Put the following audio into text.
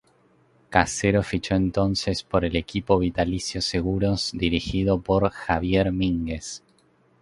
Casero fichó entonces por el equipo Vitalicio Seguros dirigido por Javier Mínguez.